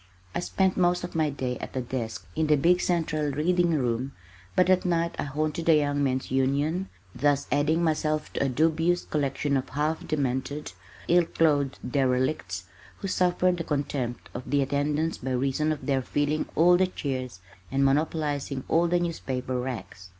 I spent most of my day at a desk in the big central reading room, but at night I haunted the Young Men's Union, thus adding myself to a dubious collection of half demented, ill clothed derelicts, who suffered the contempt of the attendants by reason of their filling all the chairs and monopolizing all the newspaper racks.